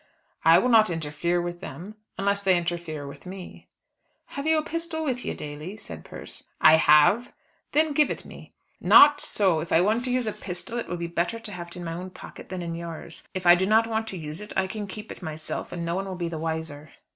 "I will not interfere with them, unless they interfere with me." "Have you a pistol with you, Daly?" said Persse. "I have." "Then give it me." "Not so. If I want to use a pistol it will be better to have it in my own pocket than in yours. If I do not want to use it I can keep it myself, and no one will be the wiser."